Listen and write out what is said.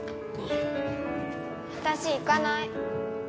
私行かない